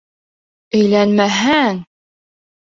Өйләнмәһәң...